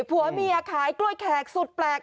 ผัวเมียขายกล้วยแขกสุดแปลก